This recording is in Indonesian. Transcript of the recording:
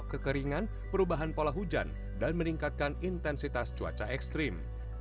kekeringan perubahan pola hujan dan meningkatkan intensitas cuaca ekstrim